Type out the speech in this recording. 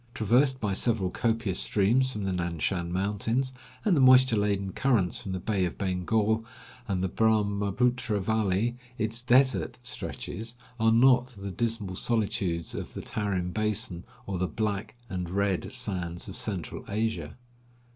Traversed by several copious streams from the Nan Shan mountains, and the moisture laden currents from the Bay of Bengal and the Brahmaputra valley, its "desert" stretches are not the dismal solitudes of the Tarim basin or the "Black" and "Red" sands of central Asia.